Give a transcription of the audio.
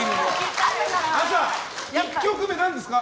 朝１曲目は何ですか？